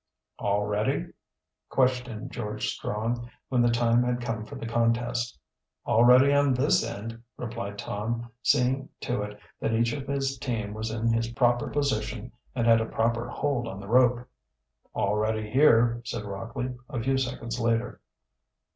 "All ready?" questioned George Strong, when the time had come for the contest. "All ready on this end," replied Tom, seeing to it that each of his team was in his proper position and had a proper hold on the rope. "All ready here," said Rockley, a few seconds later.